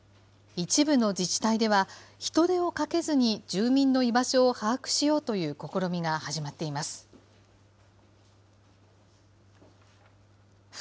一部の自治体では、人手をかけずに住民の居場所を把握しようという試みが始まっています。